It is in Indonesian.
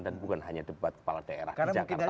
dan bukan hanya debat kepala daerah di jakarta